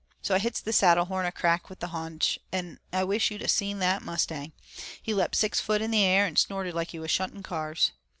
So I hits the saddle horn a crack with the hondu, and I wish't you'd a seen that mustang. He lept six foot in the air an' snorted like he was shunting cars.